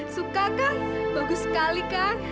suka kan bagus sekali kan